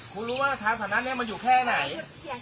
คุณรู้ว่าทางสถานะนี้มันอยู่แค่ไหน